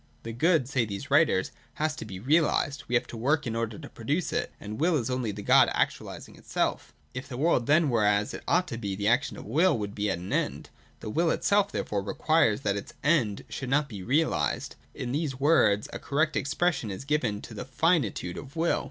The Good, say these writers, has to be realised : we have to work in order to produce it : and Will is only the Good actualising itself If the world then were as it ought to be, the action of Will would be at an end. The Will itself therefore requires that its End should not be realised. In these words, a correct expression is given to the finitude of Will.